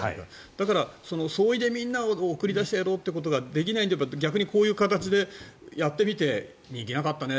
だから、総意でみんなが送り出してやろうということができないので逆にこういう形でやってみて人気なかったね